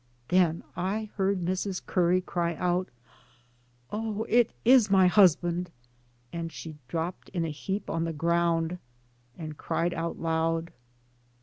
Then I heard Mrs. Curry cry out : "Oh, it is my husband." And she dropped in a heap on the ground, and cried out loud.